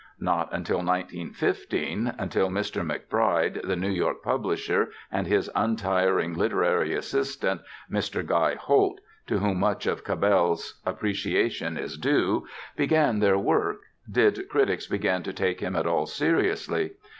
Not until 1915, until Mr. McBride, the New York publisher, and his untiring literary assistant, Mr. Guy Holt (to whom much of Cabell's appreciation is due), began their work, did critics begin to take him at all seriously.